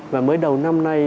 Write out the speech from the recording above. và mới đầu năm nay